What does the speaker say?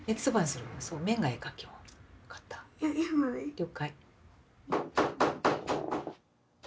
了解。